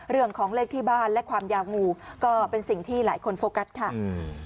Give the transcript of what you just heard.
เรื่องของเลขที่บ้านและความยาวงูก็เป็นสิ่งที่หลายคนโฟกัสค่ะอืม